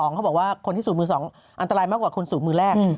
เขาบอกว่าคนที่สูบมือ๒อันตรายมากกว่าคนสูบมือแรก